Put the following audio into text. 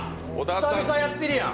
久々やってるやん。